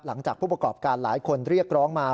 หลังจากผู้ประกอบการหลายคนเรียกร้องมา